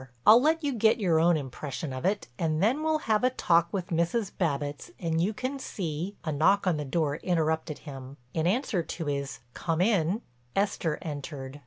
I'll let you get your own impression of it and then we'll have a talk with Mrs. Babbitts and you can see—" A knock on the door interrupted him; in answer to his "Come in," Esther entered.